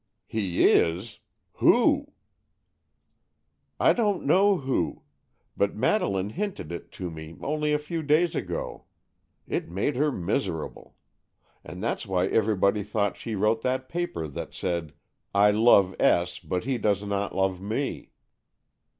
"He is! Who?" "I don't know who. But Madeleine hinted it to me only a few days ago. It made her miserable. And that's why everybody thought she wrote that paper that said, 'I love S., but he does not love me.